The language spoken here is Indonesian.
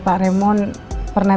pak raymond pernah